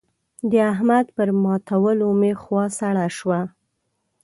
د احمد پر ماتولو مې خوا سړه شوه.